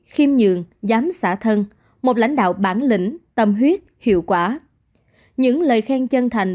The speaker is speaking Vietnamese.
khiêm nhường giám xã thân một lãnh đạo bản lĩnh tâm huyết hiệu quả những lời khen chân thành